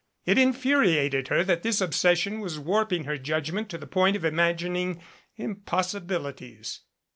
It infuriated her that this obsession was warping her judgment to the point of im agining impossibilities.